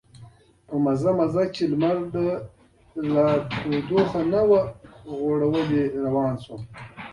په مزه مزه چې لمر لا تودوخه نه وه غوړولې روان شوم.